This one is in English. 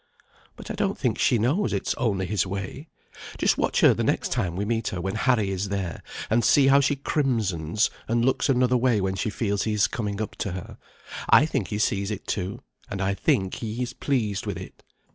"But I don't think she knows it's only his way. Just watch her the next time we meet her when Harry is there, and see how she crimsons, and looks another way when she feels he is coming up to her. I think he sees it, too, and I think he is pleased with it."